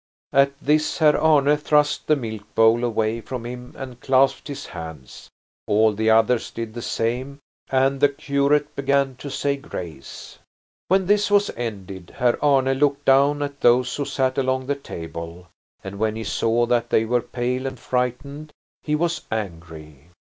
At this Herr Arne thrust the milk bowl away from him and clasped his hands. All the others did the same, and the curate began to say grace. When this was ended, Herr Arne looked down at those who sat along the table, and when he saw that they were pale and frightened, he was angry.